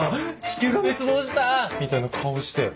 「地球が滅亡した！」みたいな顔して。